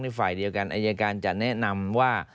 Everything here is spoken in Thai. ฝ่ายเดียวกันอายการจะแนะนำว่า